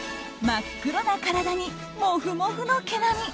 真っ黒な体にもふもふの毛並。